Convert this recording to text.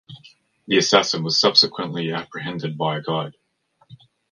The assassin was subsequently apprehended by a Guide.